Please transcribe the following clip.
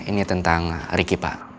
ini tentang riki pak